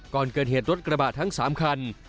ก่อนเกิดเหตุรถกระบะทั้ง๓คัน